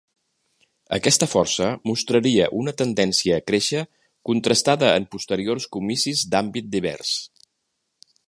Aquesta força mostraria una tendència a créixer contrastada en posteriors comicis d'àmbit divers.